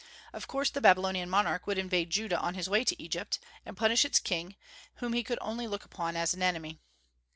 Of course the Babylonian monarch would invade Judah on his way to Egypt, and punish its king, whom he could only look upon as an enemy.